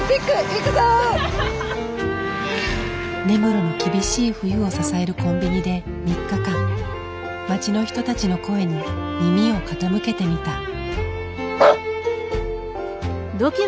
根室の厳しい冬を支えるコンビニで３日間町の人たちの声に耳を傾けてみた。